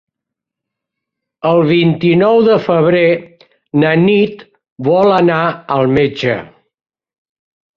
El vint-i-nou de febrer na Nit vol anar al metge.